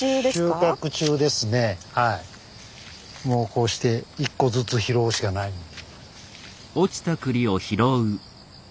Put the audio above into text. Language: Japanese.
もうこうして１個ずつ拾うしかないので。